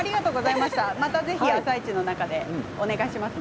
また「あさイチ」の中でお願いしますね。